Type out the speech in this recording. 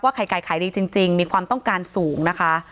ไข่ไก่ขายดีจริงมีความต้องการสูงนะคะ